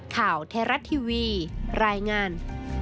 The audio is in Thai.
ข่าวเทราะทีวีรายงาน